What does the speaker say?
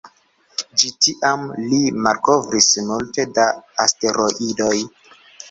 Ĝis tiam li malkovris multe da asteroidoj.